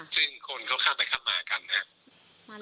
ซึ่งคนเขาข้ามไปข้ามมากันนะครับ